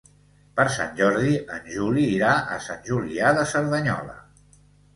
Per Sant Jordi en Juli irà a Sant Julià de Cerdanyola.